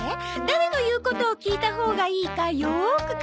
誰の言うことを聞いたほうがいいかよーく